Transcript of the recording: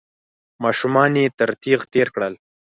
ماشومان يې تر تېغ تېر کړل.